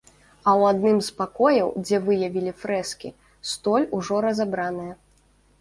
А ў адным з пакояў, дзе выявілі фрэскі, столь ужо разабраная.